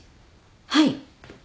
はい。